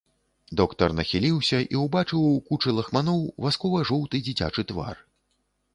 Доктар нахіліўся і ўбачыў у кучы лахманоў васкова-жоўты дзіцячы твар.